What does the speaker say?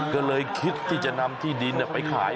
ก็เลยคิดที่จะนำที่ดินไปขาย